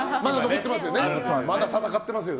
まだ戦ってますよね。